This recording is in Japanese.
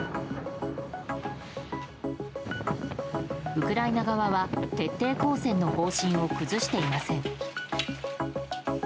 ウクライナ側は徹底抗戦の方針を崩していません。